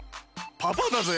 パパだぜ。